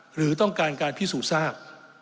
หรือต้องการการพิสูจน์ทราบ